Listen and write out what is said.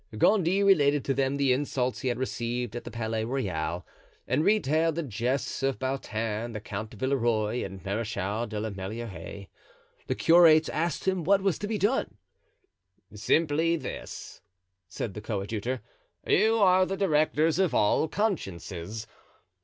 Gondy related to them the insults he had received at the Palais Royal and retailed the jests of Beautin, the Count de Villeroy and Marechal de la Meilleraie. The curates asked him what was to be done. "Simply this," said the coadjutor. "You are the directors of all consciences.